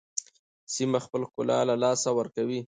سیمه خپل ښکلا له لاسه ورکوي.